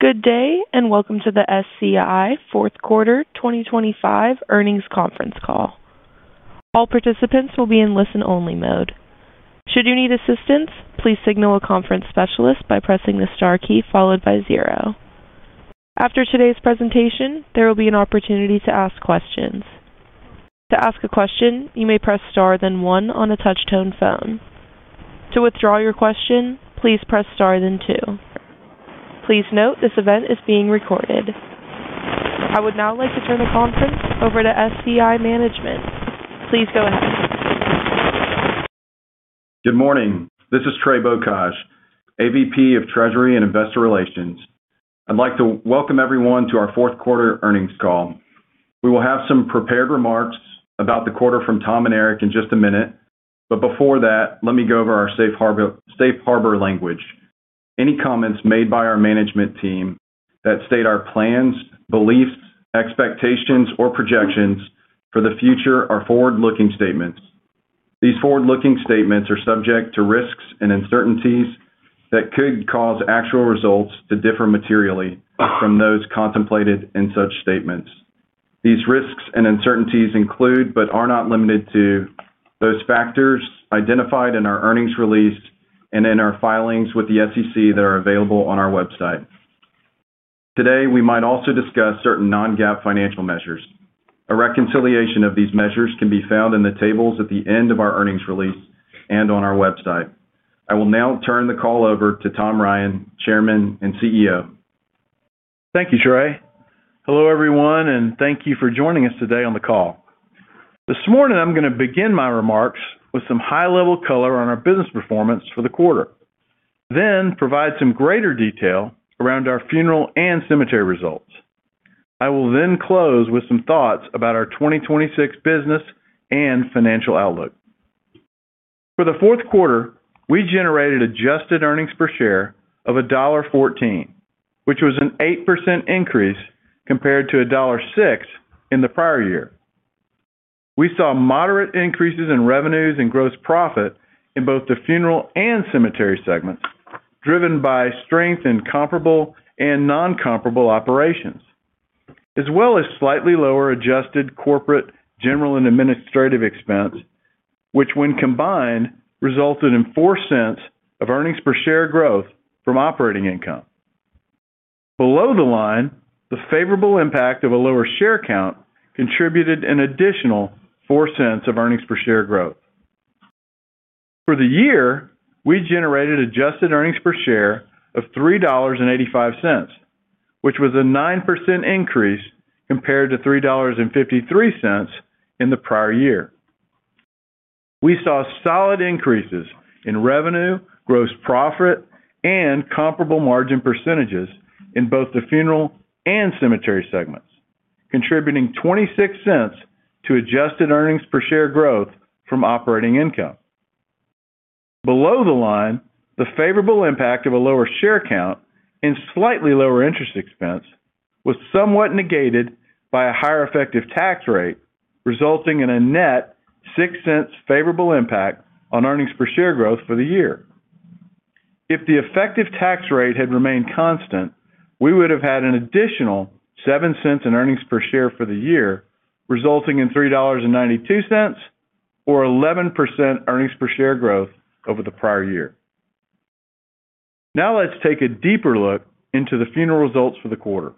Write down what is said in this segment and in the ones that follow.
Good day, and welcome to the SCI Fourth Quarter 2025 Earnings Conference Call. All participants will be in listen-only mode. Should you need assistance, please signal a conference specialist by pressing the star key followed by zero. After today's presentation, there will be an opportunity to ask questions. To ask a question, you may press Star, then one on a touch-tone phone. To withdraw your question, please press Star, then two. Please note, this event is being recorded. I would now like to turn the conference over to SCI Management. Please go ahead. Good morning. This is Trey Bocage, AVP of Treasury and Investor Relations. I'd like to welcome everyone to our fourth quarter earnings call. We will have some prepared remarks about the quarter from Tom and Eric in just a minute, but before that, let me go over our safe harbor, safe harbor language. Any comments made by our management team that state our plans, beliefs, expectations, or projections for the future are forward-looking statements. These forward-looking statements are subject to risks and uncertainties that could cause actual results to differ materially from those contemplated in such statements. These risks and uncertainties include, but are not limited to, those factors identified in our earnings release and in our filings with the SEC that are available on our website. Today, we might also discuss certain non-GAAP financial measures. A reconciliation of these measures can be found in the tables at the end of our earnings release and on our website. I will now turn the call over to Tom Ryan, Chairman and CEO. Thank you, Trey. Hello, everyone, and thank you for joining us today on the call. This morning, I'm gonna begin my remarks with some high-level color on our business performance for the quarter, then provide some greater detail around our funeral and cemetery results. I will then close with some thoughts about our 2026 business and financial outlook. For the fourth quarter, we generated adjusted earnings per share of $1.14, which was an 8% increase compared to $1.06 in the prior year. We saw moderate increases in revenues and gross profit in both the funeral and cemetery segments, driven by strength in comparable and non-comparable operations, as well as slightly lower adjusted corporate general and administrative expense, which, when combined, resulted in $0.04 of earnings per share growth from operating income. Below the line, the favorable impact of a lower share count contributed an additional $0.04 of earnings per share growth. For the year, we generated adjusted earnings per share of $3.85, which was a 9% increase compared to $3.53 in the prior year. We saw solid increases in revenue, gross profit, and comparable margin percentages in both the funeral and cemetery segments, contributing $0.26 to adjusted earnings per share growth from operating income. Below the line, the favorable impact of a lower share count and slightly lower interest expense was somewhat negated by a higher effective tax rate, resulting in a net $0.06 favorable impact on earnings per share growth for the year. If the effective tax rate had remained constant, we would have had an additional $0.07 in earnings per share for the year, resulting in $3.92 or 11% earnings per share growth over the prior year quarter. Now, let's take a deeper look into the funeral results for the quarter.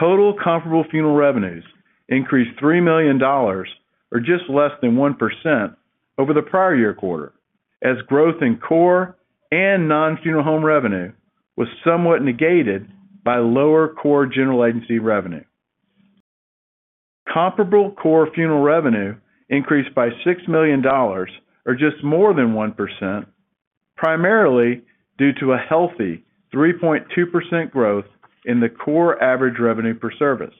Total comparable funeral revenues increased $3 million or just less than 1% over the prior year quarter, as growth in core and non-funeral home revenue was somewhat negated by lower core general agency revenue. Comparable core funeral revenue increased by $6 million, or just more than 1%, primarily due to a healthy 3.2% growth in the core average revenue per service.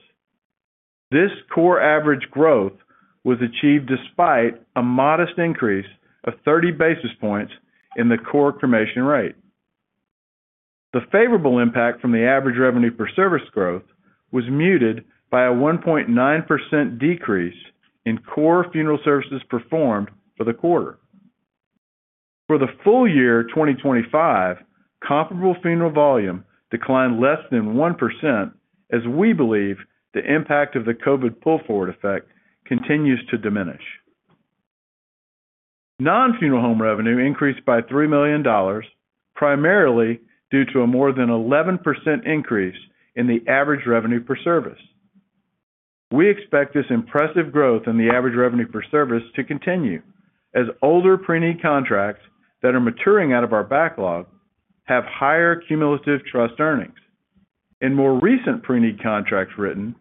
This core average growth was achieved despite a modest increase of 30 basis points in the core cremation rate. The favorable impact from the average revenue per service growth was muted by a 1.9% decrease in core funeral services performed for the quarter. For the full year 2025, comparable funeral volume declined less than 1%, as we believe the impact of the COVID pull-forward effect continues to diminish. Non-funeral home revenue increased by $3 million, primarily due to a more than 11% increase in the average revenue per service. We expect this impressive growth in the average revenue per service to continue as older pre-need contracts that are maturing out of our backlog have higher cumulative trust earnings, and more recent pre-need contracts written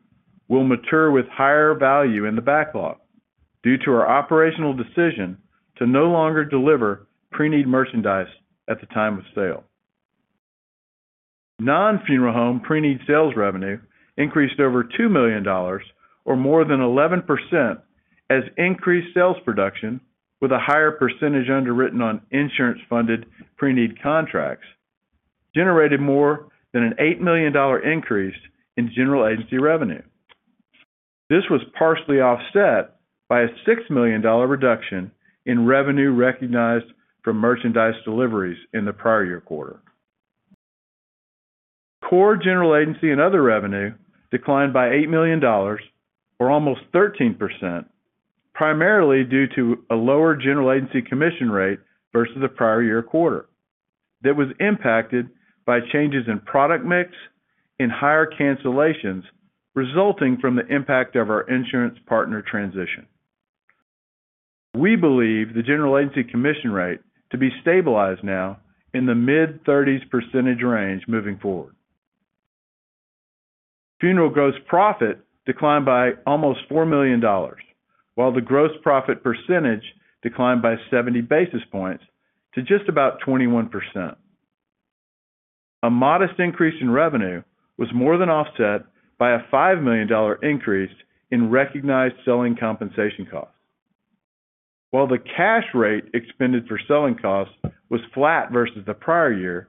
will mature with higher value in the backlog due to our operational decision to no longer deliver pre-need merchandise at the time of sale. Non-funeral home pre-need sales revenue increased over $2 million, or more than 11%, as increased sales production with a higher percentage underwritten on insurance-funded pre-need contracts generated more than an $8 million increase in general agency revenue. This was partially offset by a $6 million reduction in revenue recognized from merchandise deliveries in the prior year quarter. Core general agency and other revenue declined by $8 million, or almost 13%, primarily due to a lower general agency commission rate versus the prior year quarter. That was impacted by changes in product mix and higher cancellations, resulting from the impact of our insurance partner transition. We believe the general agency commission rate to be stabilized now in the mid-30s% range moving forward. Funeral gross profit declined by almost $4 million, while the gross profit percentage declined by 70 basis points to just about 21%. A modest increase in revenue was more than offset by a $5 million increase in recognized selling compensation costs. While the cash rate expended for selling costs was flat versus the prior year,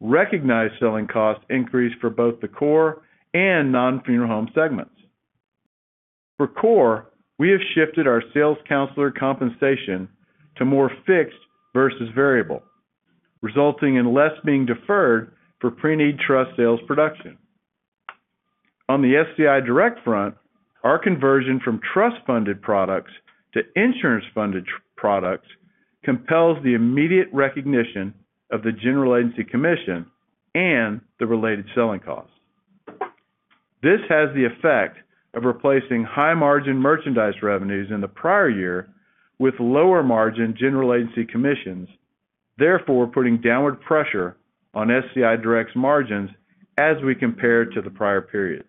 recognized selling costs increased for both the core and non-funeral home segments. For core, we have shifted our sales counselor compensation to more fixed versus variable, resulting in less being deferred for pre-need trust sales production. On the SCI Direct front, our conversion from trust-funded products to insurance-funded products compels the immediate recognition of the general agency commission and the related selling costs. This has the effect of replacing high-margin merchandise revenues in the prior year with lower-margin general agency commissions, therefore, putting downward pressure on SCI Direct's margins as we compare to the prior periods.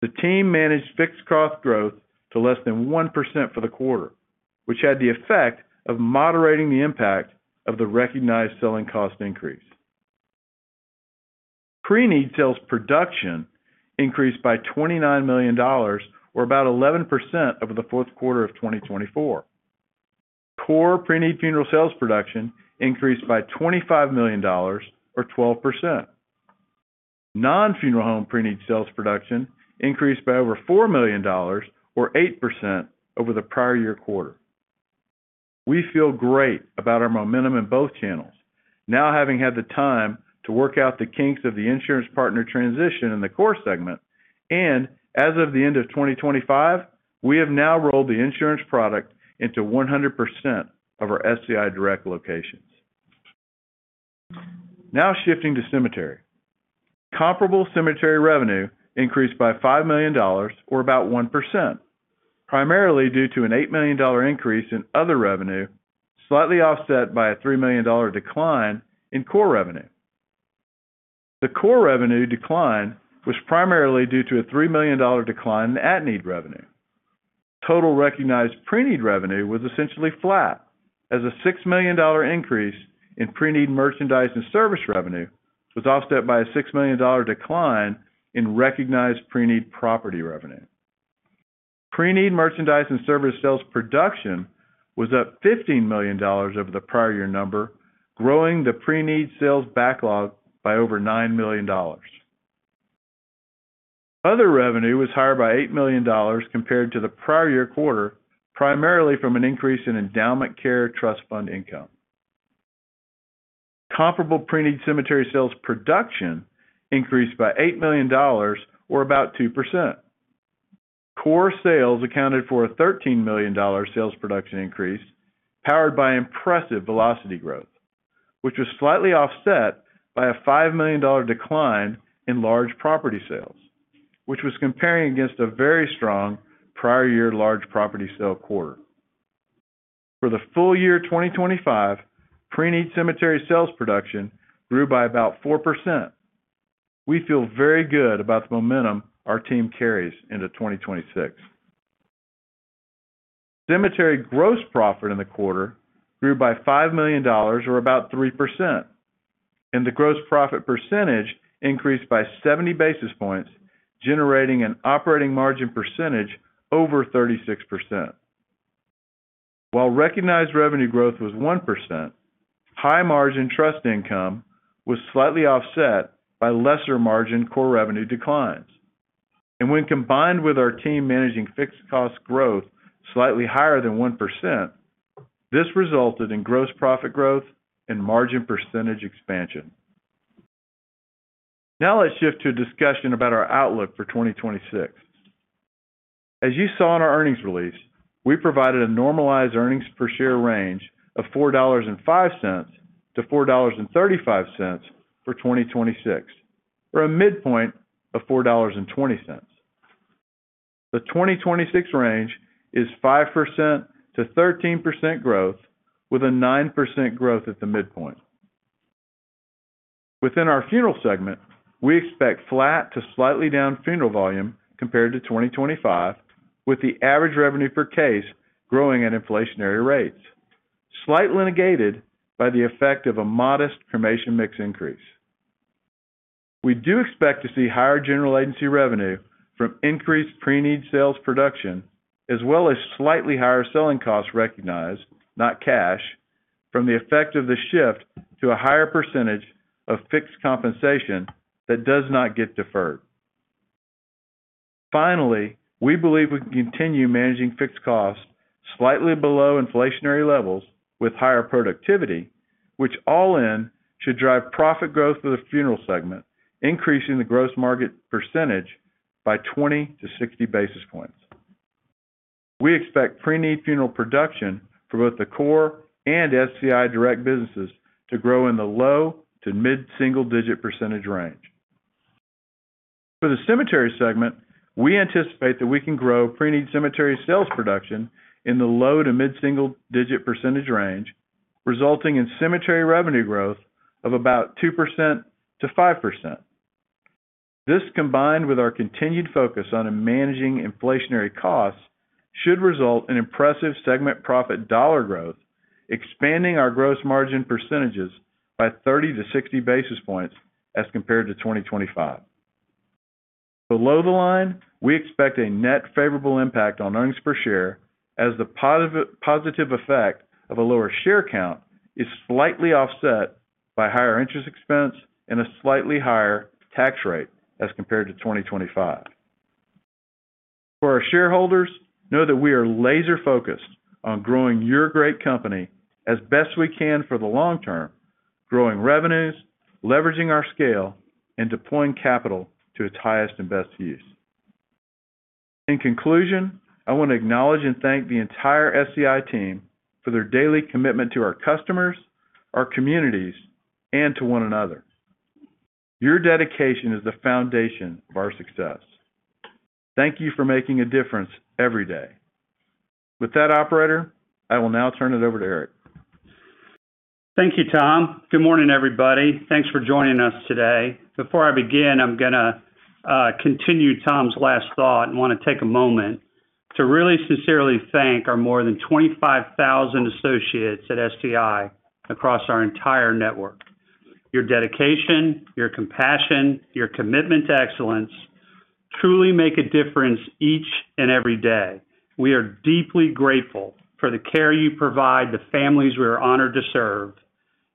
The team managed fixed cost growth to less than 1% for the quarter, which had the effect of moderating the impact of the recognized selling cost increase. Pre-need sales production increased by $29 million, or about 11% over the fourth quarter of 2024. Core pre-need funeral sales production increased by $25 million or 12%. Non-funeral home pre-need sales production increased by over $4 million or 8% over the prior year quarter. We feel great about our momentum in both channels. Now, having had the time to work out the kinks of the insurance partner transition in the core segment, and as of the end of 2025, we have now rolled the insurance product into 100% of our SCI Direct locations. Now shifting to cemetery. Comparable cemetery revenue increased by $5 million or about 1%, primarily due to an $8 million increase in other revenue, slightly offset by a $3 million decline in core revenue. The core revenue decline was primarily due to a $3 million decline in at-need revenue. Total recognized pre-need revenue was essentially flat, as a $6 million increase in pre-need merchandise and service revenue was offset by a $6 million decline in recognized pre-need property revenue. Pre-need merchandise and service sales production was up $15 million over the prior year number, growing the pre-need sales backlog by over $9 million. Other revenue was higher by $8 million compared to the prior year quarter, primarily from an increase in endowment care trust fund income. Comparable pre-need cemetery sales production increased by $8 million, or about 2%. Core sales accounted for a $13 million sales production increase, powered by impressive velocity growth, which was slightly offset by a $5 million decline in large property sales, which was comparing against a very strong prior year large property sale quarter. For the full year 2025, pre-need cemetery sales production grew by about 4%. We feel very good about the momentum our team carries into 2026. Cemetery gross profit in the quarter grew by $5 million, or about 3%, and the gross profit percentage increased by 70 basis points, generating an operating margin percentage over 36%. While recognized revenue growth was 1%, high-margin trust income was slightly offset by lesser-margin core revenue declines. When combined with our team managing fixed cost growth slightly higher than 1%, this resulted in gross profit growth and margin percentage expansion. Now, let's shift to a discussion about our outlook for 2026. As you saw in our earnings release, we provided a normalized earnings per share range of $4.05-$4.35 for 2026, or a midpoint of $4.20. The 2026 range is 5%-13% growth, with a 9% growth at the midpoint. Within our funeral segment, we expect flat to slightly down funeral volume compared to 2025, with the average revenue per case growing at inflationary rates, slightly negated by the effect of a modest cremation mix increase. We do expect to see higher general agency revenue from increased pre-need sales production, as well as slightly higher selling costs recognized from the effect of the shift to a higher percentage of fixed compensation that does not get deferred. Finally, we believe we can continue managing fixed costs slightly below inflationary levels with higher productivity, which all in should drive profit growth for the funeral segment, increasing the gross market percentage by 20-60 basis points. We expect pre-need funeral production for both the core and SCI Direct businesses to grow in the low- to mid-single-digit percentage range. For the cemetery segment, we anticipate that we can grow pre-need cemetery sales production in the low to mid-single-digit percentage range, resulting in cemetery revenue growth of about 2%-5%. This, combined with our continued focus on managing inflationary costs, should result in impressive segment profit dollar growth, expanding our gross margin percentages by 30-60 basis points as compared to 2025. Below the line, we expect a net favorable impact on earnings per share, as the positive effect of a lower share count is slightly offset by higher interest expense and a slightly higher tax rate as compared to 2025. For our shareholders, know that we are laser-focused on growing your great company as best we can for the long term, growing revenues, leveraging our scale, and deploying capital to its highest and best use. In conclusion, I want to acknowledge and thank the entire SCI team for their daily commitment to our customers, our communities, and to one another. Your dedication is the foundation of our success. Thank you for making a difference every day. With that, operator, I will now turn it over to Eric. Thank you, Tom. Good morning, everybody. Thanks for joining us today. Before I begin, I'm gonna continue Tom's last thought, and want to take a moment to really sincerely thank our more than 25,000 associates at SCI across our entire network. Your dedication, your compassion, your commitment to excellence truly make a difference each and every day. We are deeply grateful for the care you provide, the families we are honored to serve,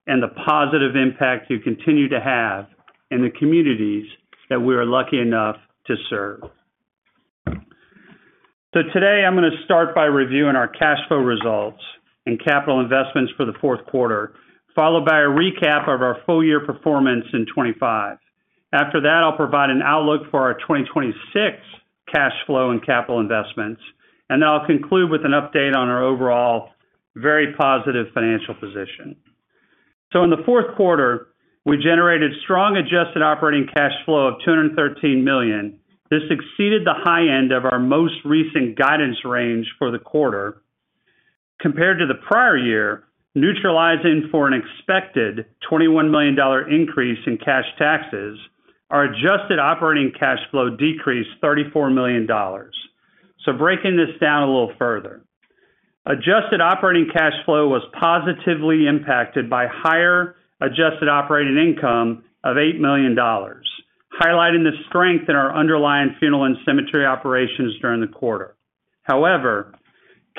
and the positive impact you continue to have in the communities that we are lucky enough to serve. So today, I'm going to start by reviewing our cash flow results and capital investments for the fourth quarter, followed by a recap of our full year performance in 2025. After that, I'll provide an outlook for our 2026 cash flow and capital investments, and then I'll conclude with an update on our overall very positive financial position. So in the fourth quarter, we generated strong adjusted operating cash flow of $213 million. This exceeded the high end of our most recent guidance range for the quarter. Compared to the prior year, neutralizing for an expected $21 million increase in cash taxes, our adjusted operating cash flow decreased $34 million. So breaking this down a little further. Adjusted operating cash flow was positively impacted by higher adjusted operating income of $8 million, highlighting the strength in our underlying funeral and cemetery operations during the quarter. However,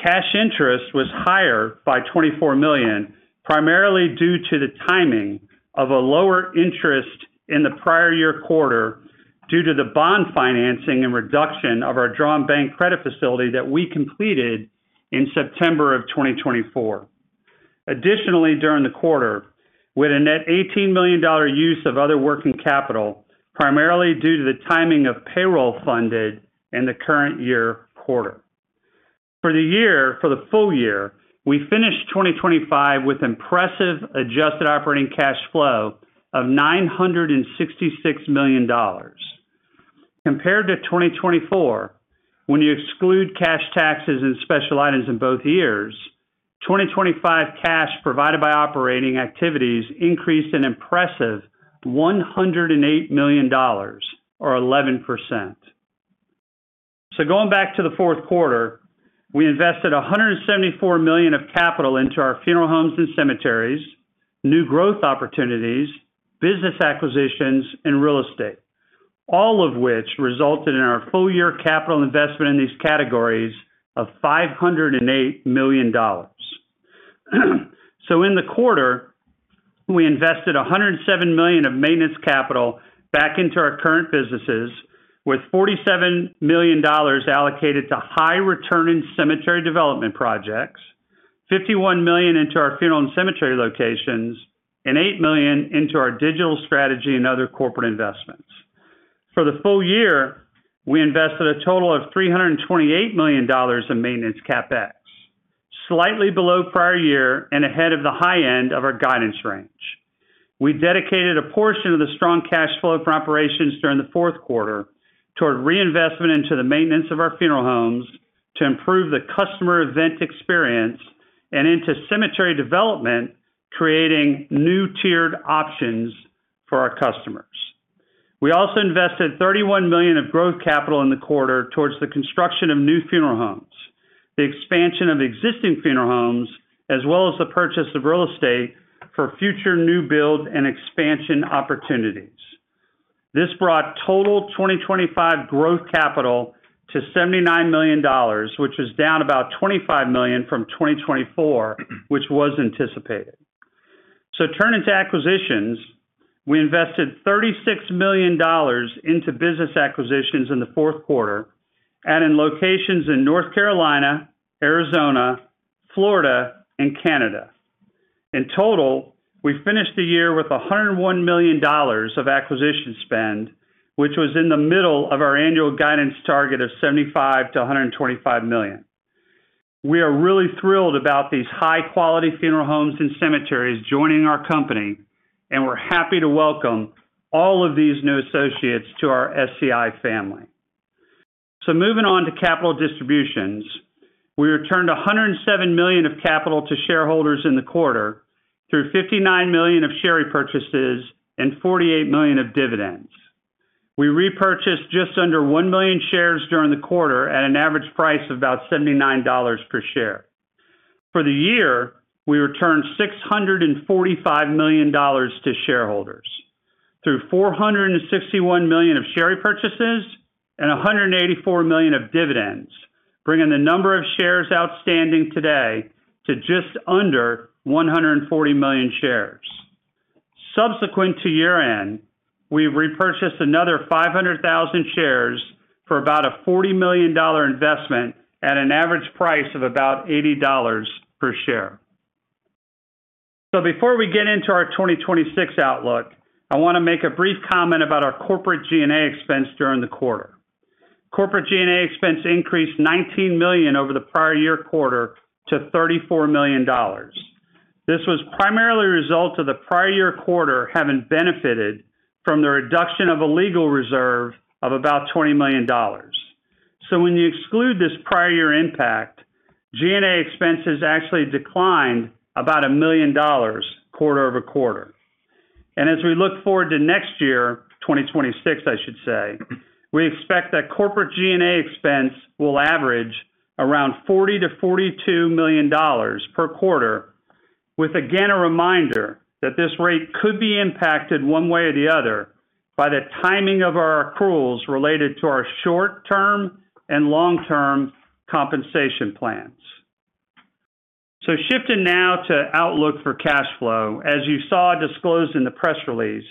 cash interest was higher by $24 million, primarily due to the timing of a lower interest in the prior year quarter due to the bond financing and reduction of our drawn bank credit facility that we completed in September of 2024. Additionally, during the quarter, with a net $18 million dollar use of other working capital, primarily due to the timing of payroll funded in the current year quarter. For the year, for the full year, we finished 2025 with impressive adjusted operating cash flow of $966 million dollars. Compared to 2024, when you exclude cash taxes and special items in both years, 2025 cash provided by operating activities increased an impressive $108 million dollars, or 11%. So going back to the fourth quarter, we invested $174 million of capital into our funeral homes and cemeteries, new growth opportunities, business acquisitions, and real estate, all of which resulted in our full-year capital investment in these categories of $508 million. So in the quarter, we invested $107 million of maintenance capital back into our current businesses, with $47 million allocated to high return in cemetery development projects, $51 million into our funeral and cemetery locations, and $8 million into our digital strategy and other corporate investments. For the full year, we invested a total of $328 million in maintenance CapEx, slightly below prior year and ahead of the high end of our guidance range. We dedicated a portion of the strong cash flow from operations during the fourth quarter toward reinvestment into the maintenance of our funeral homes to improve the customer event experience and into cemetery development, creating new tiered options for our customers. We also invested $31 million of growth capital in the quarter towards the construction of new funeral homes, the expansion of existing funeral homes, as well as the purchase of real estate for future new build and expansion opportunities.... This brought total 2025 growth capital to $79 million, which is down about $25 million from 2024, which was anticipated. So turning to acquisitions, we invested $36 million into business acquisitions in the fourth quarter, and in locations in North Carolina, Arizona, Florida, and Canada. In total, we finished the year with $101 million of acquisition spend, which was in the middle of our annual guidance target of $75 million-$125 million. We are really thrilled about these high-quality funeral homes and cemeteries joining our company, and we're happy to welcome all of these new associates to our SCI family. Moving on to capital distributions. We returned $107 million of capital to shareholders in the quarter, through $59 million of share repurchases and $48 million of dividends. We repurchased just under 1 million shares during the quarter at an average price of about $79 per share. For the year, we returned $645 million to shareholders, through $461 million of share repurchases and $184 million of dividends, bringing the number of shares outstanding today to just under 140 million shares. Subsequent to year-end, we repurchased another 500,000 shares for about a $40 million investment at an average price of about $80 per share. So before we get into our 2026 outlook, I want to make a brief comment about our corporate G&A expense during the quarter. Corporate G&A expense increased $19 million over the prior year quarter to $34 million. This was primarily a result of the prior year quarter having benefited from the reduction of a legal reserve of about $20 million. So when you exclude this prior year impact, G&A expenses actually declined about $1 million quarter over quarter. As we look forward to next year, 2026, I should say, we expect that corporate G&A expense will average around $40-$42 million per quarter, with, again, a reminder that this rate could be impacted one way or the other by the timing of our accruals related to our short-term and long-term compensation plans. So shifting now to outlook for cash flow. As you saw disclosed in the press release,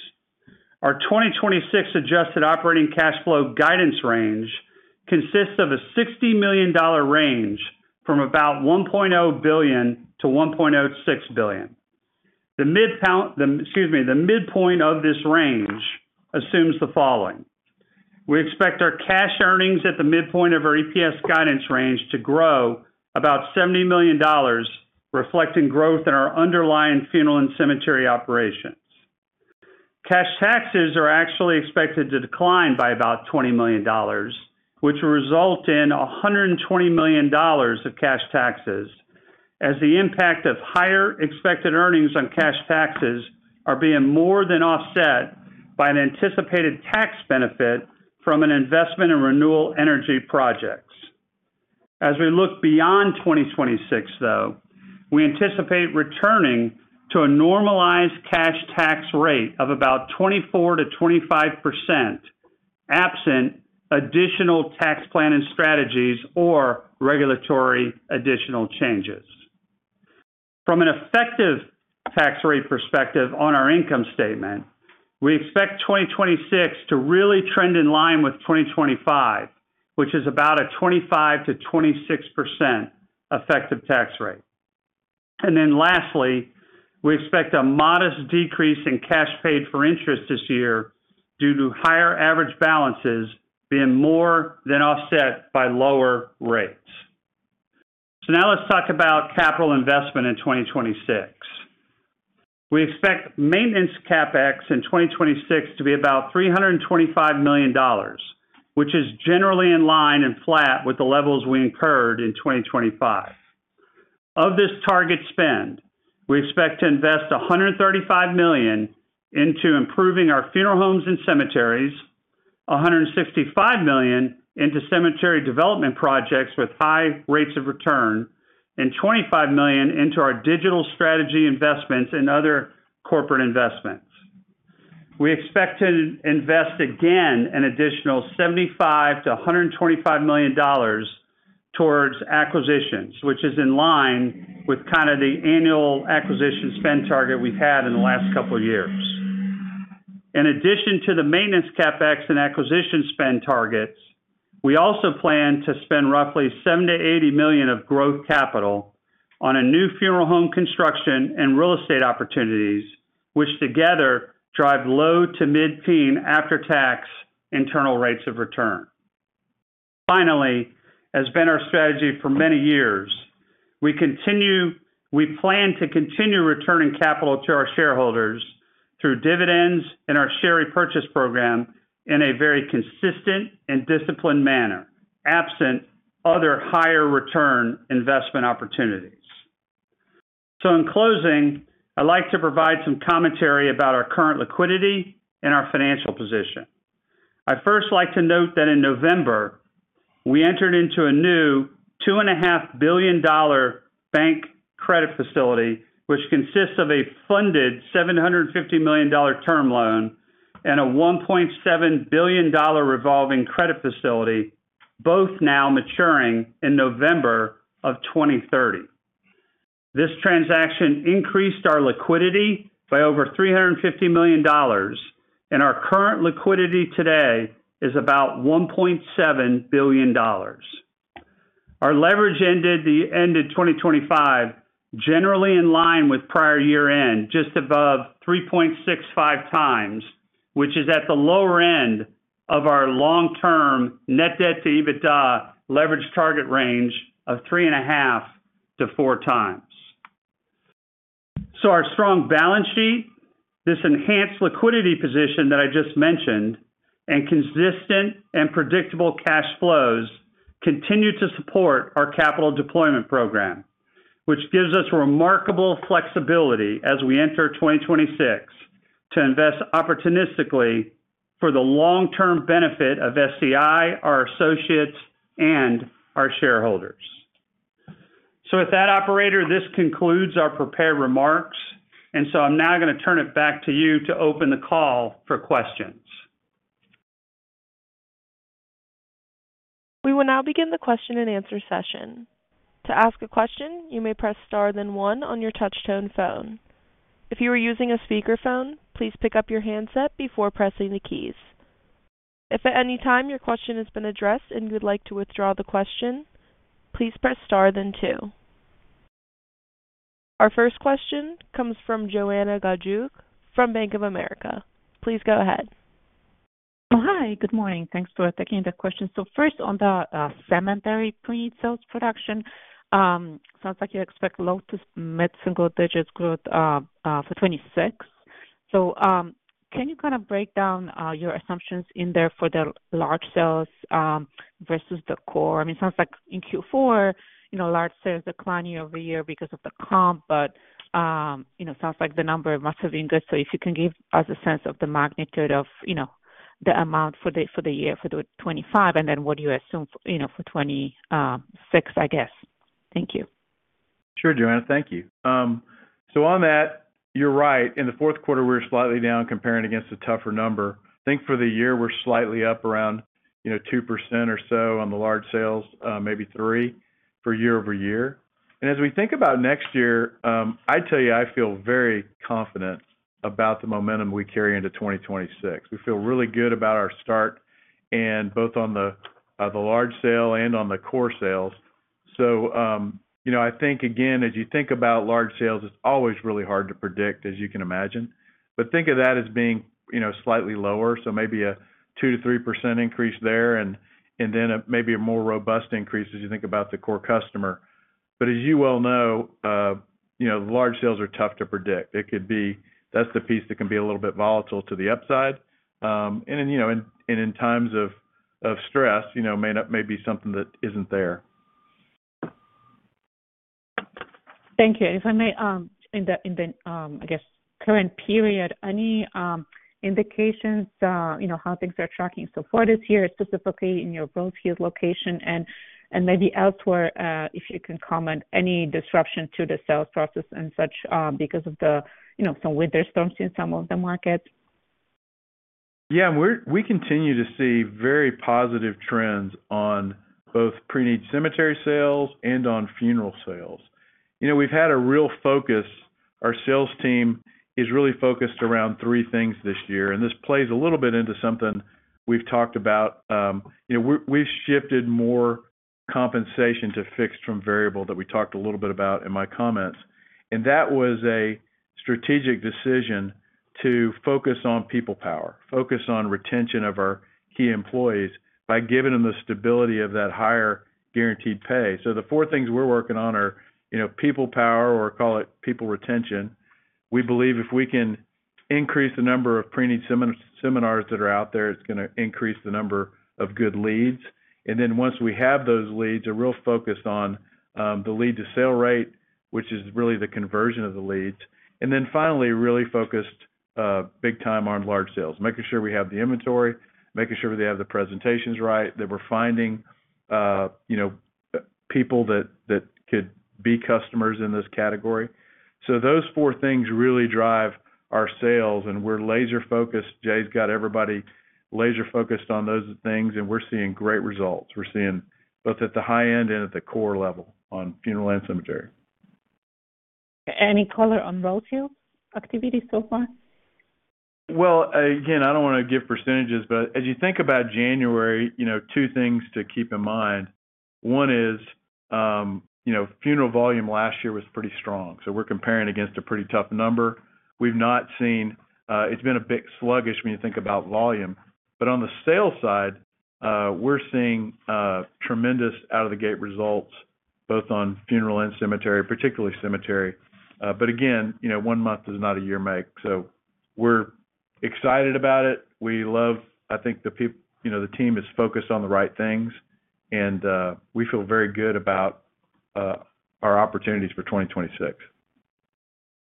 our 2026 adjusted operating cash flow guidance range consists of a $60 million range from about $1.0 billion to $1.06 billion. The midcount, excuse me, the midpoint of this range assumes the following: We expect our cash earnings at the midpoint of our EPS guidance range to grow about $70 million, reflecting growth in our underlying funeral and cemetery operations. Cash taxes are actually expected to decline by about $20 million, which will result in $120 million of cash taxes, as the impact of higher expected earnings on cash taxes are being more than offset by an anticipated tax benefit from an investment in renewable energy projects. As we look beyond 2026, though, we anticipate returning to a normalized cash tax rate of about 24%-25%, absent additional tax planning strategies or regulatory additional changes. From an effective tax rate perspective on our income statement, we expect 2026 to really trend in line with 2025, which is about a 25%-26% effective tax rate. And then lastly, we expect a modest decrease in cash paid for interest this year due to higher average balances being more than offset by lower rates. So now let's talk about capital investment in 2026. We expect maintenance CapEx in 2026 to be about $325 million, which is generally in line and flat with the levels we incurred in 2025. Of this target spend, we expect to invest $135 million into improving our funeral homes and cemeteries, $165 million into cemetery development projects with high rates of return, and $25 million into our digital strategy investments and other corporate investments. We expect to invest again an additional $75 million-$125 million towards acquisitions, which is in line with kind of the annual acquisition spend target we've had in the last couple of years. In addition to the maintenance CapEx and acquisition spend targets, we also plan to spend roughly $70 million-$80 million of growth capital on a new funeral home construction and real estate opportunities, which together drive low to mid-teen after-tax internal rates of return. Finally, as has been our strategy for many years, we plan to continue returning capital to our shareholders through dividends and our share repurchase program in a very consistent and disciplined manner, absent other higher return investment opportunities. So in closing, I'd like to provide some commentary about our current liquidity and our financial position. I'd first like to note that in November-... We entered into a new $2.5 billion bank credit facility, which consists of a funded $750 million term loan and a $1.7 billion revolving credit facility, both now maturing in November of 2030. This transaction increased our liquidity by over $350 million, and our current liquidity today is about $1.7 billion. Our leverage ended 2025, generally in line with prior year-end, just above 3.65 times, which is at the lower end of our long-term net debt to EBITDA leverage target range of 3.5-4 times. Our strong balance sheet, this enhanced liquidity position that I just mentioned, and consistent and predictable cash flows, continue to support our capital deployment program, which gives us remarkable flexibility as we enter 2026, to invest opportunistically for the long-term benefit of SCI, our associates, and our shareholders. So with that, operator, this concludes our prepared remarks, and so I'm now going to turn it back to you to open the call for questions. We will now begin the question and answer session. To ask a question, you may press Star, then one on your touch tone phone. If you are using a speakerphone, please pick up your handset before pressing the keys. If at any time your question has been addressed and you'd like to withdraw the question, please press Star then two. Our first question comes from Joanna Gajuk from Bank of America. Please go ahead. Oh, hi, good morning. Thanks for taking the question. So first, on the cemetery pre-sales production, sounds like you expect low- to mid-single-digits growth for 2026. So, can you kind of break down your assumptions in there for the large sales versus the core? I mean, sounds like in Q4, you know, large sales declining year-over-year because of the comp, but, you know, sounds like the number must have been good. So if you can give us a sense of the magnitude of, you know, the amount for the, for the year, for 2025, and then what do you assume, you know, for 2026, I guess. Thank you. Sure, Joanna, thank you. So on that, you're right. In the fourth quarter, we were slightly down comparing against a tougher number. I think for the year, we're slightly up around, you know, 2% or so on the large sales, maybe 3% year-over-year. As we think about next year, I tell you, I feel very confident about the momentum we carry into 2026. We feel really good about our start, and both on the large sale and on the core sales. So, you know, I think, again, as you think about large sales, it's always really hard to predict, as you can imagine. But think of that as being, you know, slightly lower, so maybe a 2%-3% increase there, and then maybe a more robust increase as you think about the core customer. But as you well know, you know, large sales are tough to predict. It could be... That's the piece that can be a little bit volatile to the upside, and then, you know, and in times of stress, you know, may be something that isn't there. Thank you. If I may, in the current period, any indications, you know, how things are tracking so far this year, specifically in your Rose Hills location and maybe elsewhere, if you can comment, any disruption to the sales process and such, because of the, you know, some winter storms in some of the markets? Yeah, we continue to see very positive trends on both pre-need cemetery sales and on funeral sales. You know, we've had a real focus. Our sales team is really focused around three things this year, and this plays a little bit into something we've talked about. You know, we've shifted more compensation to fixed from variable, that we talked a little bit about in my comments, and that was a strategic decision to focus on people power, focus on retention of our key employees by giving them the stability of that higher guaranteed pay. So the four things we're working on are, you know, people power, or call it people retention. We believe if we can increase the number of pre-need seminars that are out there, it's going to increase the number of good leads. And then once we have those leads, a real focus on the lead-to-sale rate, which is really the conversion of the leads. And then finally, really focused big time on large sales, making sure we have the inventory, making sure we have the presentations right, that we're finding you know people that could be customers in this category. So those four things really drive our sales, and we're laser-focused. Jay's got everybody laser-focused on those things, and we're seeing great results. We're seeing both at the high end and at the core level on funeral and cemetery. Any color on Rose Hills activity so far? Well, again, I don't want to give percentages, but as you think about January, you know, two things to keep in mind. One is, you know, funeral volume last year was pretty strong, so we're comparing against a pretty tough number. We've not seen. It's been a bit sluggish when you think about volume. But on the sales side, we're seeing tremendous out of the gate results, both on funeral and cemetery, particularly cemetery. But again, you know, one month is not a year make, so we're excited about it. We love. I think the people, you know, the team is focused on the right things, and we feel very good about our opportunities for 2026....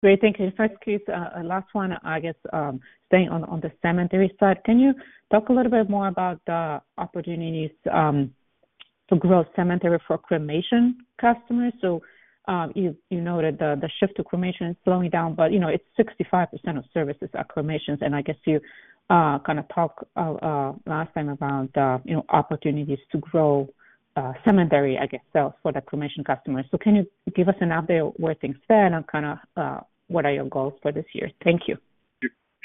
Great, thank you. First, quick, last one, I guess, staying on, on the cemetery side, can you talk a little bit more about the opportunities, to grow cemetery for cremation customers? So, you noted the shift to cremation is slowing down, but, you know, it's 65% of services are cremations, and I guess you kind of talked last time about, you know, opportunities to grow, cemetery, I guess, so for the cremation customers. So can you give us an update where things stand and kind of, what are your goals for this year? Thank you.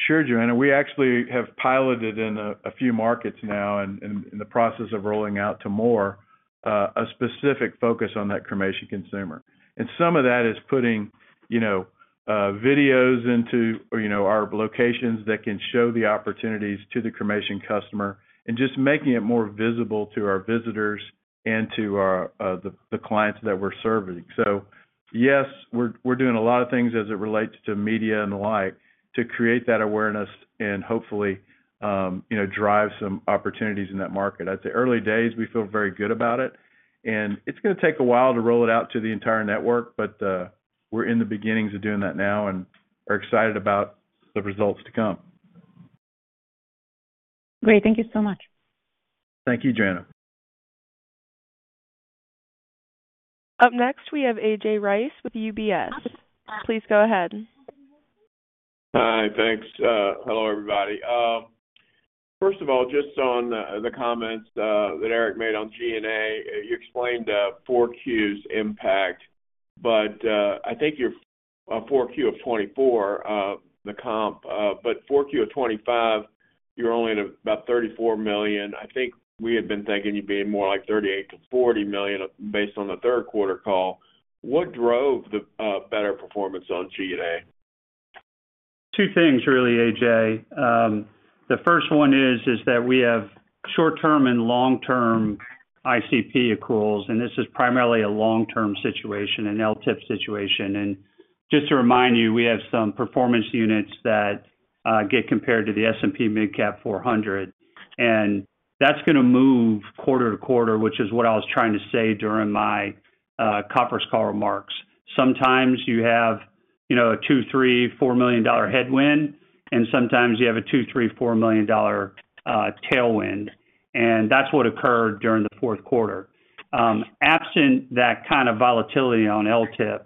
Sure, Joanna. We actually have piloted in a few markets now and in the process of rolling out to more, a specific focus on that cremation consumer. And some of that is putting, you know, videos into, you know, our locations that can show the opportunities to the cremation customer and just making it more visible to our visitors and to our, the clients that we're serving. So yes, we're doing a lot of things as it relates to media and the like, to create that awareness and hopefully, you know, drive some opportunities in that market. It's the early days, we feel very good about it, and it's gonna take a while to roll it out to the entire network, but, we're in the beginnings of doing that now and are excited about the results to come. Great. Thank you so much. Thank you, Joanna. Up next, we have A.J. Rice with UBS. Please go ahead. Hi, thanks. Hello, everybody. First of all, just on the comments that Eric made on G&A, you explained 4Q's impact, but I think your 4Q of 2024, the comp, but 4Q of 2025, you're only at about $34 million. I think we had been thinking you'd be more like $38 million-$40 million, based on the third quarter call. What drove the better performance on G&A? Two things, really, AJ. The first one is that we have short-term and long-term ICP accruals, and this is primarily a long-term situation, an LTIP situation. Just to remind you, we have some performance units that get compared to the S&P MidCap 400, and that's gonna move quarter to quarter, which is what I was trying to say during my conference call remarks. Sometimes you have, you know, a $2-$4 million headwind, and sometimes you have a $2-$4 million tailwind, and that's what occurred during the fourth quarter. Absent that kind of volatility on LTIP,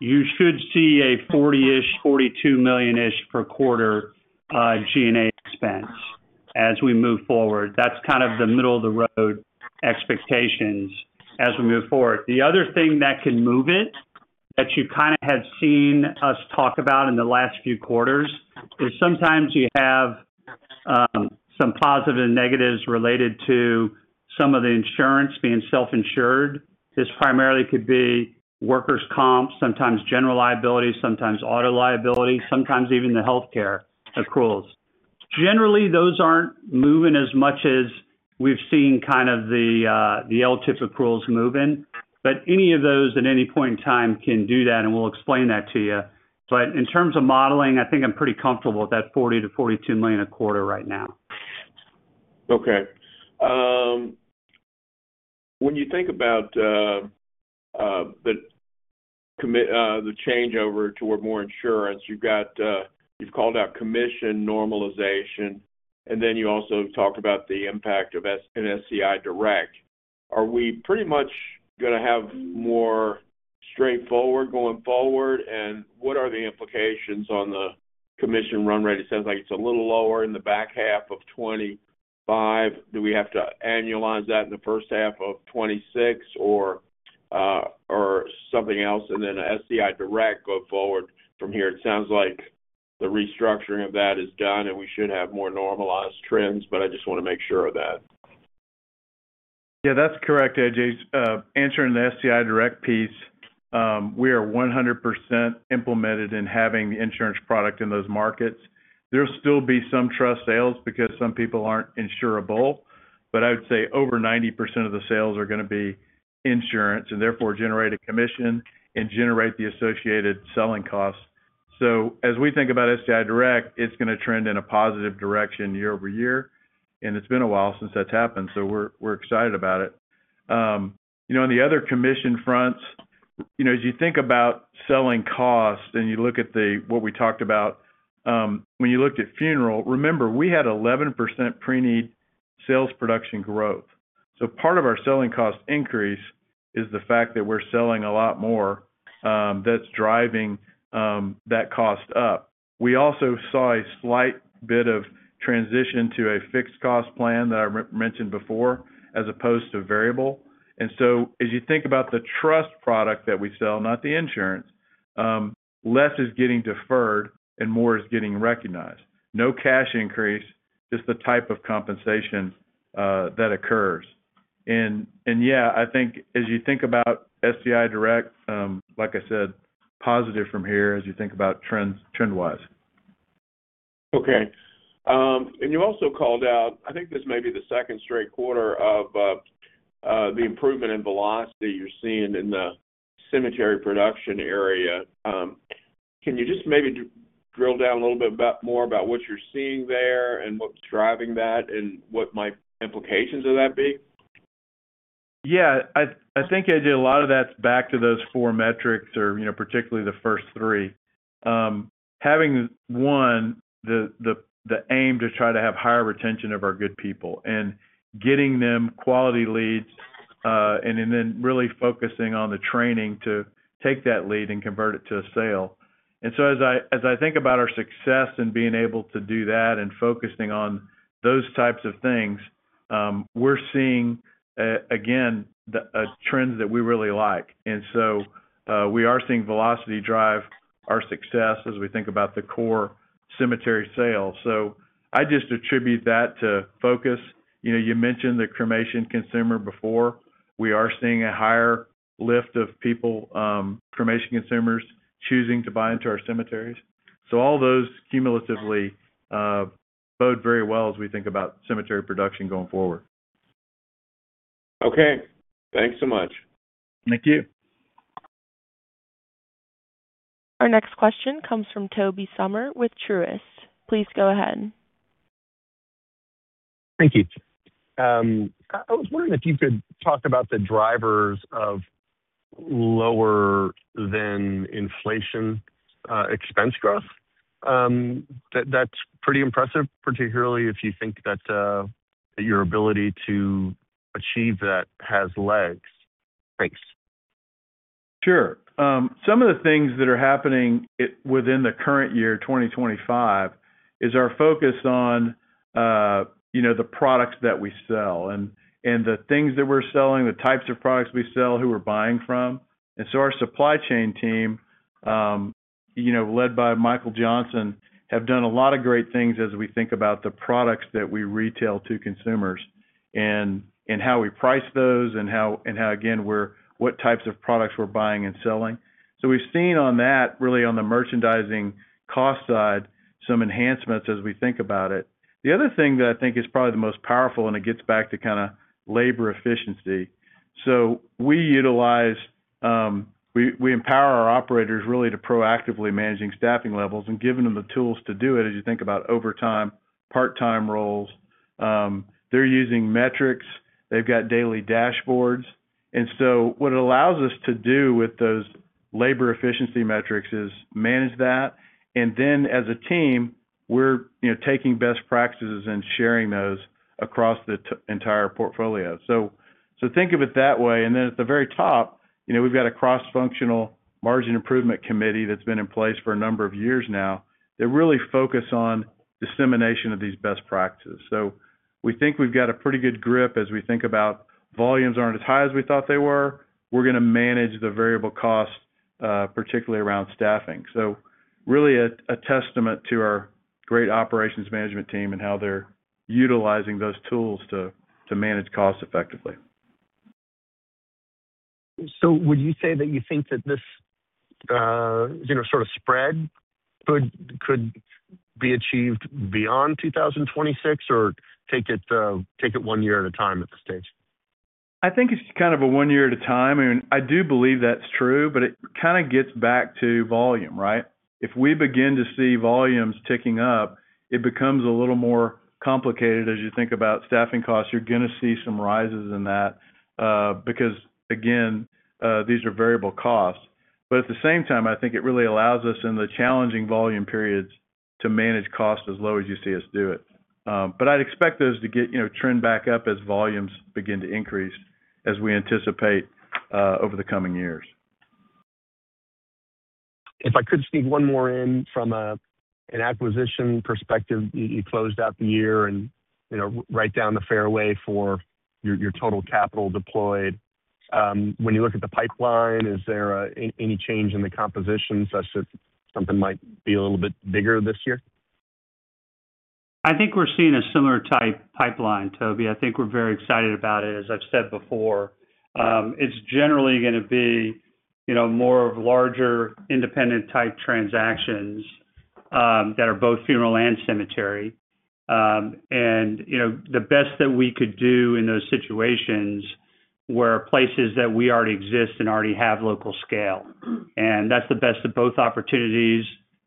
you should see a $40-$42 million-ish per quarter G&A expense as we move forward. That's kind of the middle-of-the-road expectations as we move forward. The other thing that can move it, that you kind of have seen us talk about in the last few quarters, is sometimes you have some positives and negatives related to some of the insurance being self-insured. This primarily could be workers' comp, sometimes general liability, sometimes auto liability, sometimes even the healthcare accruals. Generally, those aren't moving as much as we've seen kind of the LTIP accruals moving, but any of those at any point in time can do that, and we'll explain that to you. But in terms of modeling, I think I'm pretty comfortable with that $40 million-$42 million a quarter right now. Okay. When you think about the changeover toward more insurance, you've got you've called out commission normalization, and then you also talked about the impact of SCI and SCI Direct. Are we pretty much gonna have more straightforward going forward? And what are the implications on the commission run rate? It sounds like it's a little lower in the back half of 2025. Do we have to annualize that in the first half of 2026 or something else? And then SCI Direct go forward from here. It sounds like the restructuring of that is done, and we should have more normalized trends, but I just wanna make sure of that. Yeah, that's correct, A.J. Answering the SCI Direct piece, we are 100% implemented in having the insurance product in those markets. There'll still be some trust sales because some people aren't insurable, but I would say over 90% of the sales are gonna be insurance, and therefore, generate a commission and generate the associated selling costs. So as we think about SCI Direct, it's gonna trend in a positive direction year-over-year, and it's been a while since that's happened, so we're excited about it. You know, on the other commission fronts, you know, as you think about selling costs and you look at the what we talked about, when you looked at funeral, remember, we had 11% pre-need sales production growth. So part of our selling cost increase is the fact that we're selling a lot more, that's driving that cost up. We also saw a slight bit of transition to a fixed cost plan that I mentioned before, as opposed to variable. And so as you think about the trust product that we sell, not the insurance, less is getting deferred and more is getting recognized. No cash increase, just the type of compensation that occurs. And yeah, I think as you think about SCI Direct, like I said, positive from here, as you think about trends, trend-wise. Okay. And you also called out, I think this may be the second straight quarter of the improvement in velocity you're seeing in the cemetery production area. Can you just maybe drill down a little bit more about what you're seeing there and what's driving that, and what the implications of that might be? ... Yeah, I think I did a lot of that back to those four metrics or, you know, particularly the first three. Having one, the aim to try to have higher retention of our good people and getting them quality leads, and then really focusing on the training to take that lead and convert it to a sale. So as I think about our success in being able to do that and focusing on those types of things, we're seeing again the trends that we really like. So we are seeing velocity drive our success as we think about the core cemetery sales. So I just attribute that to focus. You know, you mentioned the cremation consumer before. We are seeing a higher lift of people, cremation consumers, choosing to buy into our cemeteries. So all those cumulatively bode very well as we think about cemetery production going forward. Okay, thanks so much. Thank you. Our next question comes from Tobey Sommer with Truist. Please go ahead. Thank you. I was wondering if you could talk about the drivers of lower than inflation expense growth. That's pretty impressive, particularly if you think that your ability to achieve that has legs. Thanks. Sure. Some of the things that are happening within the current year, 2025, is our focus on, you know, the products that we sell and, and the things that we're selling, the types of products we sell, who we're buying from. And so our supply chain team, you know, led by Michael Johnson, have done a lot of great things as we think about the products that we retail to consumers, and, and how we price those, and how, and how, again, we're what types of products we're buying and selling. So we've seen on that, really on the merchandising cost side, some enhancements as we think about it. The other thing that I think is probably the most powerful, and it gets back to kind of labor efficiency. So we utilize, we empower our operators really to proactively managing staffing levels and giving them the tools to do it, as you think about overtime, part-time roles. They're using metrics. They've got daily dashboards. And so what it allows us to do with those labor efficiency metrics is manage that, and then as a team, we're, you know, taking best practices and sharing those across the entire portfolio. So think of it that way. And then at the very top, you know, we've got a cross-functional margin improvement committee that's been in place for a number of years now, that really focus on dissemination of these best practices. So we think we've got a pretty good grip as we think about volumes aren't as high as we thought they were. We're gonna manage the variable costs, particularly around staffing. So really a testament to our great operations management team and how they're utilizing those tools to manage costs effectively. So would you say that you think that this, you know, sort of spread could be achieved beyond 2026, or take it one year at a time at this stage? I think it's kind of a one year at a time. I mean, I do believe that's true, but it kind of gets back to volume, right? If we begin to see volumes ticking up, it becomes a little more complicated. As you think about staffing costs, you're gonna see some rises in that, because, again, these are variable costs. But at the same time, I think it really allows us, in the challenging volume periods, to manage costs as low as you see us do it. But I'd expect those to get, you know, trend back up as volumes begin to increase, as we anticipate, over the coming years. If I could sneak one more in from an acquisition perspective. You closed out the year and, you know, right down the fairway for your total capital deployed. When you look at the pipeline, is there any change in the composition, such that something might be a little bit bigger this year? I think we're seeing a similar type pipeline, Tobey. I think we're very excited about it. As I've said before, it's generally gonna be, you know, more of larger, independent-type transactions that are both funeral and cemetery. And, you know, the best that we could do in those situations were places that we already exist and already have local scale. And that's the best of both opportunities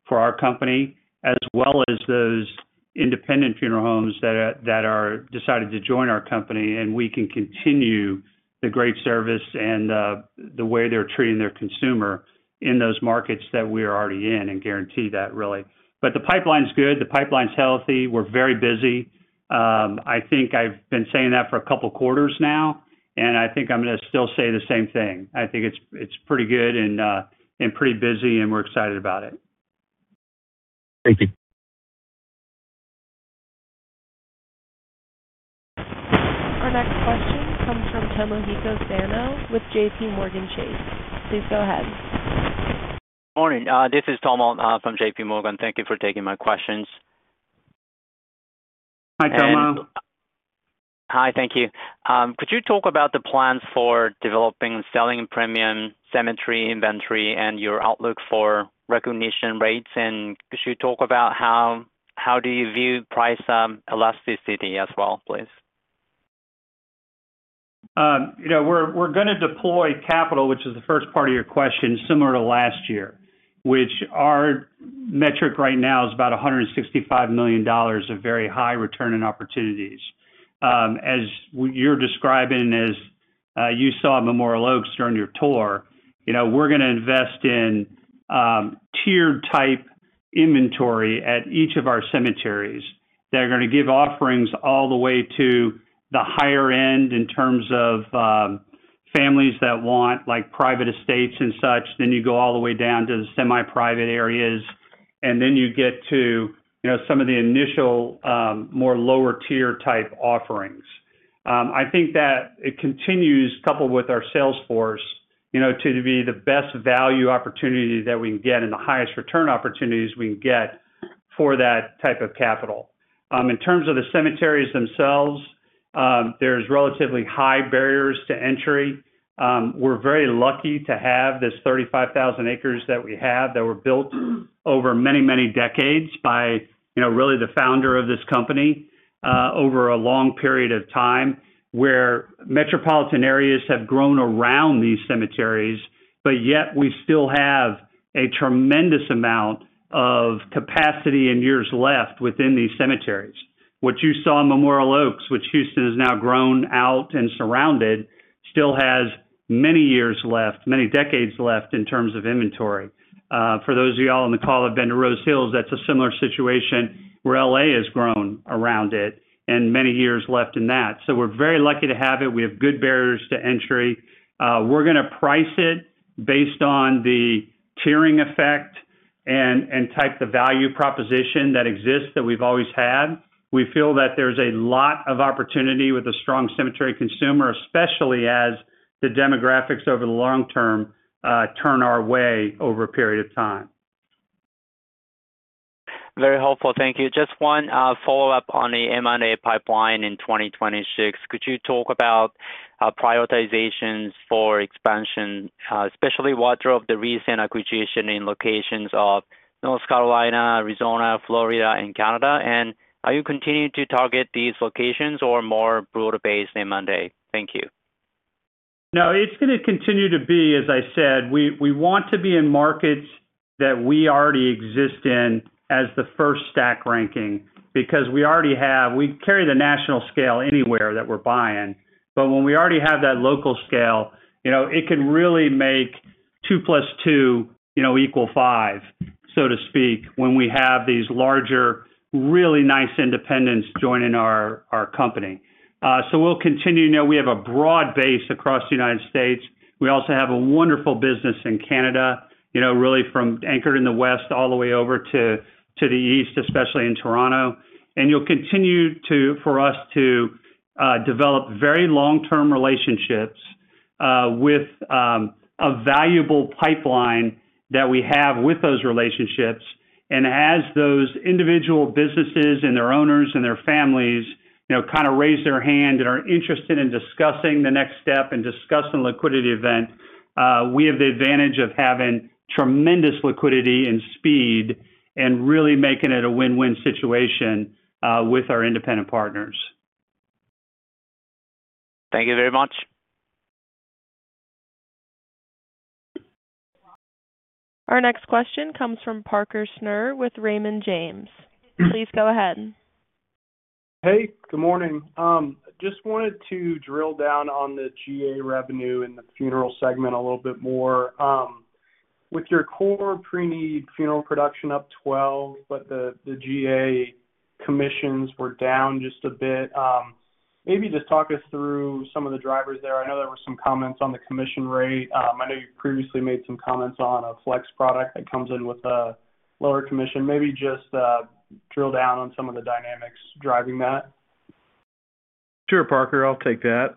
for our company, as well as those independent funeral homes that decided to join our company, and we can continue the great service and the way they're treating their consumer in those markets that we are already in and guarantee that, really. But the pipeline's good, the pipeline's healthy. We're very busy. I think I've been saying that for a couple quarters now, and I think I'm gonna still say the same thing. I think it's pretty good and pretty busy, and we're excited about it. Thank you. Our next question comes from Tomohiko Sano with JPMorgan Chase. Please go ahead. Morning, this is Tomo, from JPMorgan. Thank you for taking my questions. Hi, Tomo. Hi, thank you. Could you talk about the plans for developing and selling premium cemetery inventory and your outlook for recognition rates? Could you talk about how, how do you view price elasticity as well, please? You know, we're gonna deploy capital, which is the first part of your question, similar to last year, which our metric right now is about $165 million of very high return on opportunities. As what you're describing, you saw Memorial Oaks during your tour, you know, we're gonna invest in tiered-type inventory at each of our cemeteries. They're gonna give offerings all the way to the higher end in terms of families that want, like, private estates and such, then you go all the way down to the semi-private areas, and then you get to, you know, some of the initial more lower-tier type offerings. I think that it continues, coupled with our sales force, you know, to be the best value opportunity that we can get and the highest return opportunities we can get for that type of capital. In terms of the cemeteries themselves, there's relatively high barriers to entry. We're very lucky to have this 35,000 acres that we have, that were built over many, many decades by, you know, really the founder of this company, over a long period of time, where metropolitan areas have grown around these cemeteries, but yet we still have a tremendous amount of capacity and years left within these cemeteries. What you saw in Memorial Oaks, which Houston has now grown out and surrounded, still has many years left, many decades left in terms of inventory. For those of you all on the call have been to Rose Hills, that's a similar situation where L.A. has grown around it, and many years left in that. So we're very lucky to have it. We have good barriers to entry. We're gonna price it based on the tiering effect and, and type the value proposition that exists, that we've always had. We feel that there's a lot of opportunity with a strong cemetery consumer, especially as the demographics over the long term, turn our way over a period of time. Very helpful. Thank you. Just one, follow-up on the M&A pipeline in 2026. Could you talk about, prioritizations for expansion, especially wider of the recent acquisition in locations of North Carolina, Arizona, Florida, and Canada? And are you continuing to target these locations or more broader base than Monday? Thank you. No, it's gonna continue to be as I said, we want to be in markets that we already exist in as the first stack ranking, because we already have-- we carry the national scale anywhere that we're buying. But when we already have that local scale, you know, it can really make two plus two, you know, equal five, so to speak, when we have these larger, really nice independents joining our company. So we'll continue. You know, we have a broad base across the United States. We also have a wonderful business in Canada, you know, really from anchored in the West all the way over to the East, especially in Toronto. And you'll continue to-- for us to develop very long-term relationships with a valuable pipeline that we have with those relationships. As those individual businesses and their owners and their families, you know, kind of raise their hand and are interested in discussing the next step and discussing liquidity event, we have the advantage of having tremendous liquidity and speed and really making it a win-win situation with our independent partners. Thank you very much. Our next question comes from Parker Snure with Raymond James. Please go ahead. Hey, good morning. Just wanted to drill down on the GA revenue in the funeral segment a little bit more. With your core pre-need funeral production up 12, but the GA commissions were down just a bit, maybe just talk us through some of the drivers there. I know there were some comments on the commission rate. I know you previously made some comments on a flex product that comes in with a lower commission. Maybe just drill down on some of the dynamics driving that. Sure, Parker, I'll take that.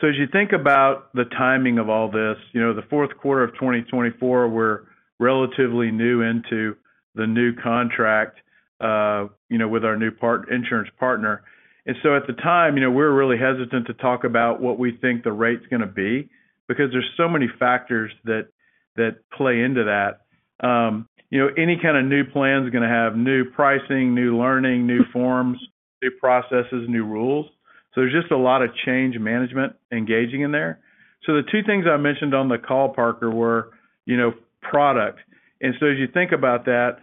So as you think about the timing of all this, you know, the fourth quarter of 2024, we're relatively new into the new contract, you know, with our new insurance partner. And so at the time, you know, we're really hesitant to talk about what we think the rate's gonna be, because there's so many factors that play into that. You know, any kind of new plan is gonna have new pricing, new learning, new forms, new processes, new rules. So there's just a lot of change management engaging in there. So the two things I mentioned on the call, Parker, were, you know, product. And so as you think about that,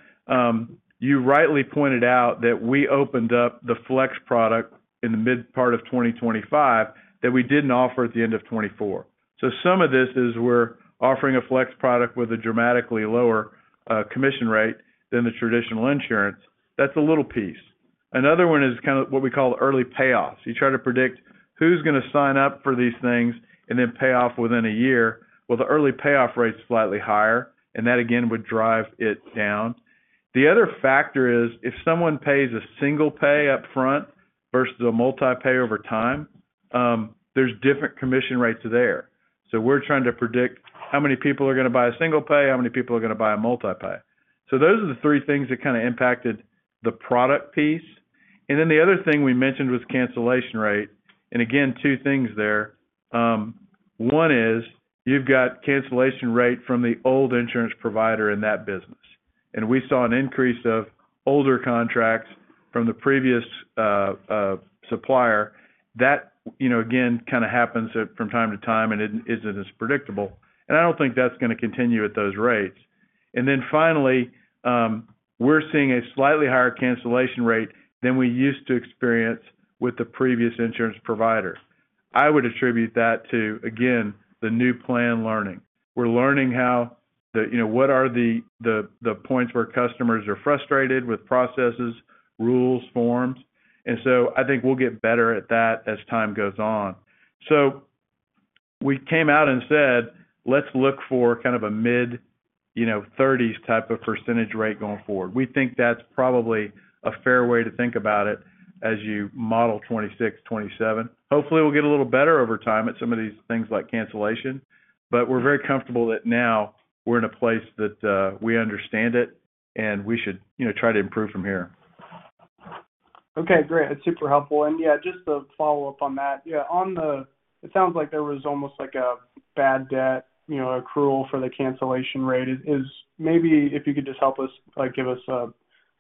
you rightly pointed out that we opened up the flex product in the mid part of 2025, that we didn't offer at the end of 2024. So some of this is we're offering a flex product with a dramatically lower commission rate than the traditional insurance. That's a little piece. Another one is kind of what we call early payoffs. You try to predict who's gonna sign up for these things and then pay off within a year. Well, the early payoff rate is slightly higher, and that, again, would drive it down. The other factor is, if someone pays a single pay up front versus a multi-pay over time, there's different commission rates there. So we're trying to predict how many people are gonna buy a single pay, how many people are gonna buy a multi-pay. So those are the three things that kinda impacted the product piece. Then the other thing we mentioned was cancellation rate. Again, two things there. One is, you've got cancellation rate from the old insurance provider in that business.... and we saw an increase of older contracts from the previous supplier. That, you know, again, kind of happens from time to time, and it isn't as predictable, and I don't think that's gonna continue at those rates. And then finally, we're seeing a slightly higher cancellation rate than we used to experience with the previous insurance provider. I would attribute that to, again, the new plan learning. We're learning how the, you know, what are the points where customers are frustrated with processes, rules, forms, and so I think we'll get better at that as time goes on. So we came out and said, "Let's look for kind of a mid, you know, 30s type of percentage rate going forward." We think that's probably a fair way to think about it as you model 2026, 2027. Hopefully, we'll get a little better over time at some of these things like cancellation, but we're very comfortable that now we're in a place that we understand it, and we should, you know, try to improve from here. Okay, great. That's super helpful. And, yeah, just to follow up on that. Yeah, on the, it sounds like there was almost like a bad debt, you know, accrual for the cancellation rate. Is, is maybe if you could just help us, like, give us a,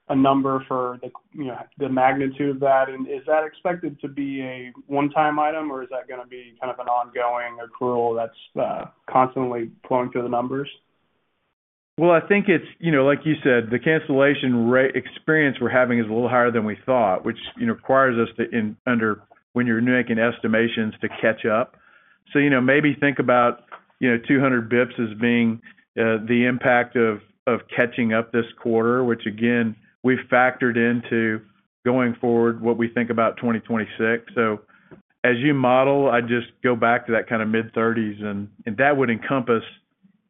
a number for the, you know, the magnitude of that, and is that expected to be a one-time item, or is that gonna be kind of an ongoing accrual that's constantly flowing through the numbers? Well, I think it's, you know, like you said, the cancellation rate experience we're having is a little higher than we thought, which, you know, requires us to understand, when you're making estimations, to catch up. So, you know, maybe think about, you know, 200 basis points as being the impact of catching up this quarter, which, again, we've factored into going forward, what we think about 2026. So as you model, I'd just go back to that kind of mid-thirties, and that would encompass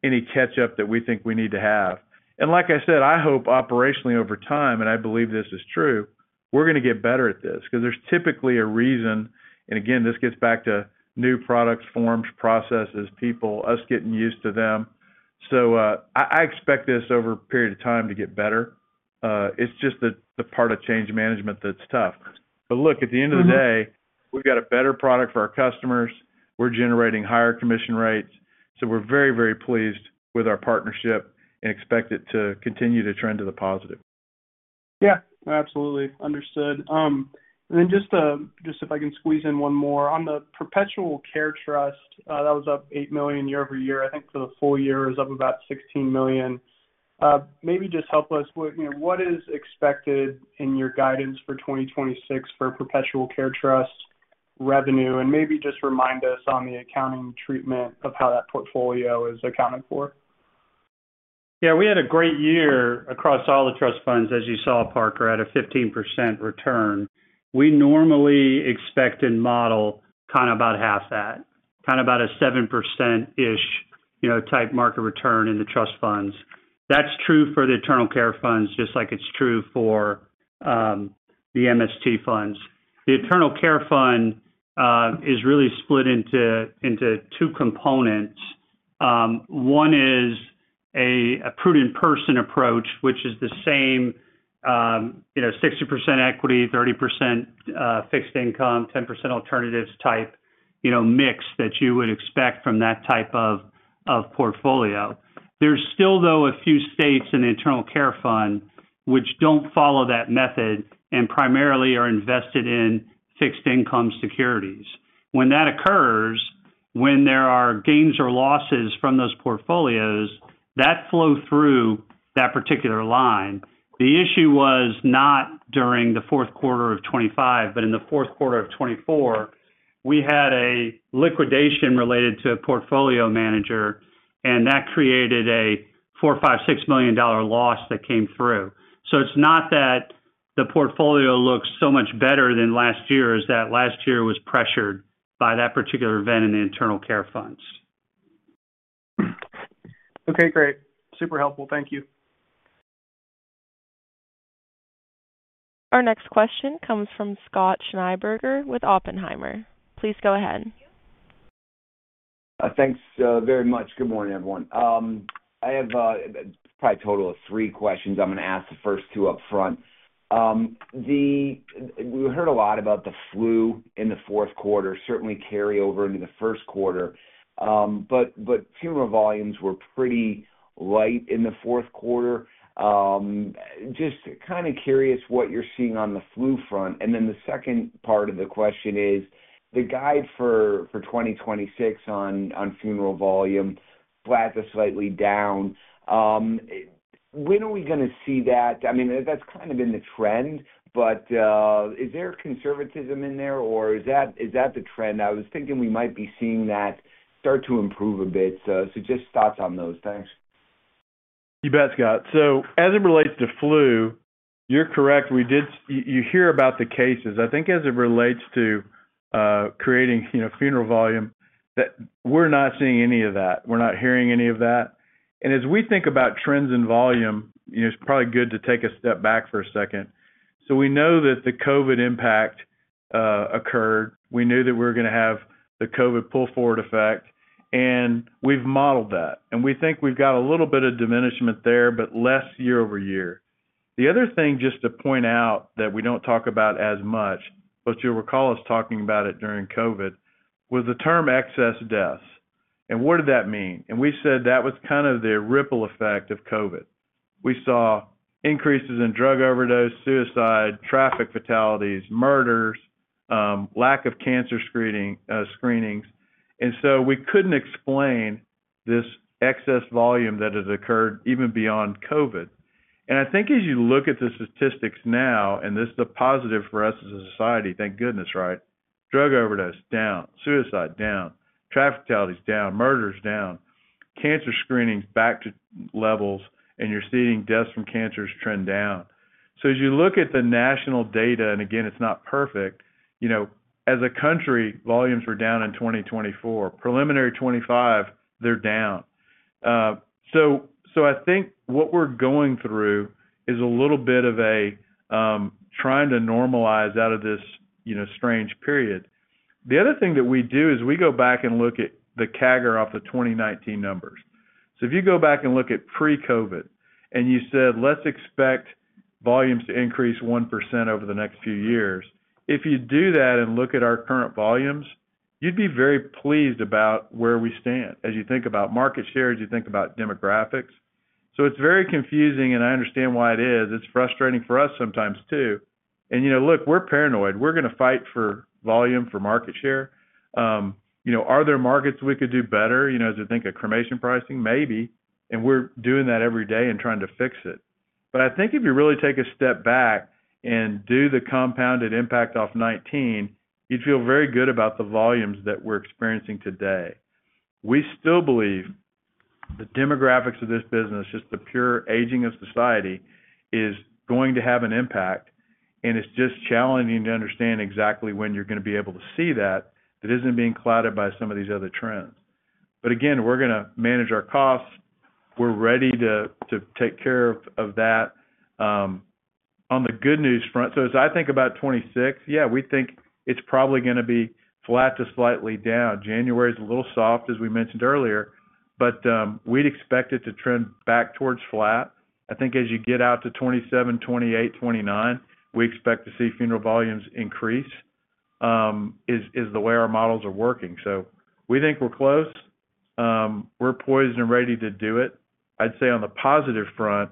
any catch-up that we think we need to have. And like I said, I hope operationally over time, and I believe this is true, we're gonna get better at this because there's typically a reason, and again, this gets back to new products, forms, processes, people, us getting used to them. So, I expect this over a period of time to get better. It's just that the part of change management that's tough. But look, at the end of the day, we've got a better product for our customers. We're generating higher commission rates, so we're very, very pleased with our partnership and expect it to continue to trend to the positive. Yeah, absolutely. Understood. And then just, just if I can squeeze in one more. On the perpetual care trust, that was up $8 million year-over-year. I think for the full year, it was up about $16 million. Maybe just help us, what, you know, what is expected in your guidance for 2026 for perpetual care trust revenue? And maybe just remind us on the accounting treatment of how that portfolio is accounted for. Yeah, we had a great year across all the trust funds, as you saw, Parker, at a 15% return. We normally expect and model kind of about half that, kind of about a 7%-ish, you know, type market return in the trust funds. That's true for the endowment care funds, just like it's true for, the MST funds. The endowment care fund, is really split into, into two components. One is a, a prudent person approach, which is the same, you know, 60% equity, 30% fixed income, 10% alternatives type, you know, mix that you would expect from that type of, of portfolio. There's still, though, a few states in the endowment care fund which don't follow that method and primarily are invested in fixed income securities. When that occurs, when there are gains or losses from those portfolios, that flow through that particular line. The issue was not during the fourth quarter of 2025, but in the fourth quarter of 2024, we had a liquidation related to a portfolio manager, and that created a $4-$6 million loss that came through. So it's not that the portfolio looks so much better than last year, is that last year was pressured by that particular event in the internal care funds. Okay, great. Super helpful. Thank you. Our next question comes from Scott Schneeberger with Oppenheimer. Please go ahead. Thanks, very much. Good morning, everyone. I have probably a total of three questions. I'm gonna ask the first two upfront. We heard a lot about the flu in the fourth quarter, certainly carry over into the first quarter, but funeral volumes were pretty light in the fourth quarter. Just kind of curious what you're seeing on the flu front. And then the second part of the question is, the guide for 2026 on funeral volume, flat or slightly down. When are we gonna see that? I mean, that's kind of been the trend, but is there conservatism in there, or is that the trend? I was thinking we might be seeing that start to improve a bit. So just thoughts on those. Thanks. You bet, Scott. So as it relates to flu, you're correct. We did. You hear about the cases. I think as it relates to creating, you know, funeral volume, that we're not seeing any of that. We're not hearing any of that. And as we think about trends in volume, you know, it's probably good to take a step back for a second. So we know that the COVID impact occurred. We knew that we were gonna have the COVID pull-forward effect, and we've modeled that, and we think we've got a little bit of diminishment there, but less year-over-year. The other thing, just to point out, that we don't talk about as much, but you'll recall us talking about it during COVID, was the term excess deaths. And what did that mean? And we said that was kind of the ripple effect of COVID. We saw increases in drug overdose, suicide, traffic fatalities, murders, lack of cancer screening, screenings. And so we couldn't explain this excess volume that has occurred even beyond COVID. And I think as you look at the statistics now, and this is a positive for us as a society, thank goodness, right? Drug overdose, down. Suicide, down. Traffic fatalities, down. Murders, down. Cancer screenings, back to levels, and you're seeing deaths from cancers trend down. So as you look at the national data, and again, it's not perfect, you know, as a country, volumes were down in 2024. Preliminary 2025, they're down. So I think what we're going through is a little bit of a trying to normalize out of this, you know, strange period. The other thing that we do is we go back and look at the CAGR off the 2019 numbers. So if you go back and look at pre-COVID, and you said, "Let's expect volumes to increase 1% over the next few years," if you do that and look at our current volumes, you'd be very pleased about where we stand as you think about market share, as you think about demographics. So it's very confusing, and I understand why it is. It's frustrating for us sometimes, too. And, you know, look, we're paranoid. We're gonna fight for volume, for market share. You know, are there markets we could do better, you know, as you think of cremation pricing? Maybe. And we're doing that every day and trying to fix it. But I think if you really take a step back and do the compounded impact of 19, you'd feel very good about the volumes that we're experiencing today. We still believe the demographics of this business, just the pure aging of society, is going to have an impact, and it's just challenging to understand exactly when you're gonna be able to see that, that isn't being clouded by some of these other trends. But again, we're gonna manage our costs. We're ready to take care of that. On the good news front. So as I think about 2026, yeah, we think it's probably gonna be flat to slightly down. January's a little soft, as we mentioned earlier, but, we'd expect it to trend back towards flat. I think as you get out to 2027, 2028, 2029, we expect to see funeral volumes increase, the way our models are working. So we think we're close. We're poised and ready to do it. I'd say on the positive front,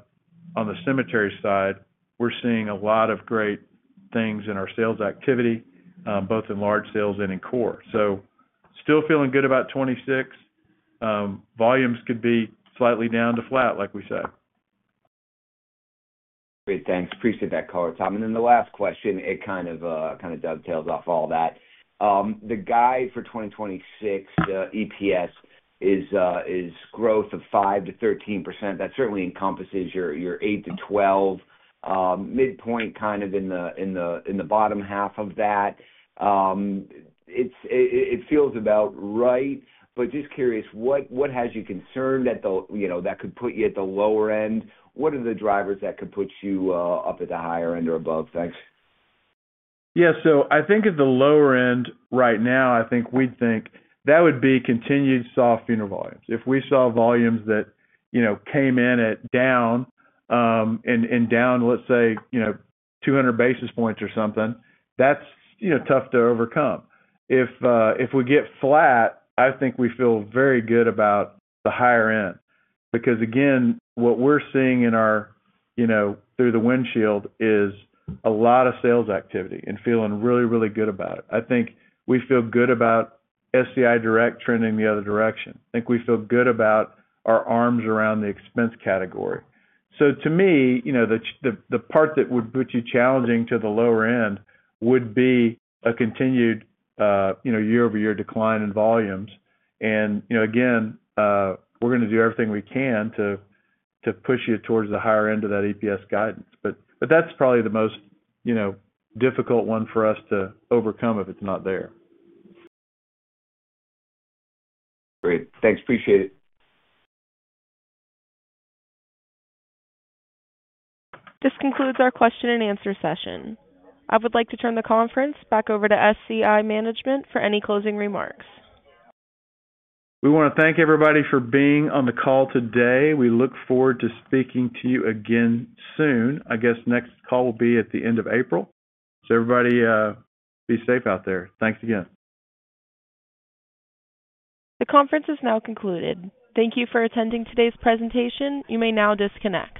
on the cemetery side, we're seeing a lot of great things in our sales activity, both in large sales and in core. So still feeling good about 2026. Volumes could be slightly down to flat, like we said. Great, thanks. Appreciate that color, Tom. And then the last question, it kind of, kind of dovetails off all that. The guide for 2026, the EPS, is growth of 5%-13%. That certainly encompasses your, your 8-12 midpoint, kind of in the bottom half of that. It feels about right. But just curious, what has you concerned that the, you know, that could put you at the lower end? What are the drivers that could put you up at the higher end or above? Thanks. Yeah, so I think at the lower end right now, I think we'd think that would be continued soft funeral volumes. If we saw volumes that, you know, came in at down, and down, let's say, you know, 200 basis points or something, that's, you know, tough to overcome. If we get flat, I think we feel very good about the higher end, because again, what we're seeing in our, you know, through the windshield is a lot of sales activity and feeling really, really good about it. I think we feel good about SCI Direct trending the other direction. I think we feel good about our arms around the expense category. So to me, you know, the part that would put you challenging to the lower end would be a continued, you know, year-over-year decline in volumes. You know, again, we're gonna do everything we can to push you towards the higher end of that EPS guidance. But that's probably the most, you know, difficult one for us to overcome if it's not there. Great. Thanks, appreciate it. This concludes our question and answer session. I would like to turn the conference back over to SCI Management for any closing remarks. We want to thank everybody for being on the call today. We look forward to speaking to you again soon. I guess next call will be at the end of April. Everybody, be safe out there. Thanks again. The conference is now concluded. Thank you for attending today's presentation. You may now disconnect.